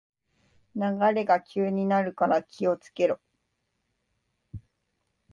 流れが急になるから気をつけろ